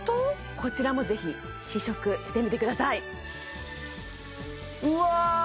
こちらもぜひ試食してみてくださいうわ